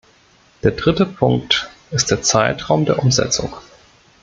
Der dritte Punkt ist der Zeitraum der Umsetzung.